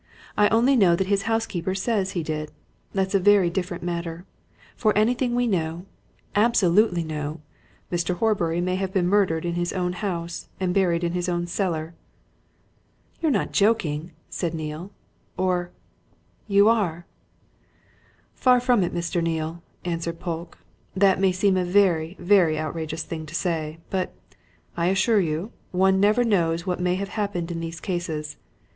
I only know that his housekeeper says he did. That's a very different matter. For anything we know absolutely know! Mr. Horbury may have been murdered in his own house, and buried in his own cellar." "You're not joking?" said Neale. "Or you are!" "Far from it, Mr. Neale," answered Polke. "That may seem a very, very outrageous thing to say, but, I assure you, one never knows what may not have happened in these cases.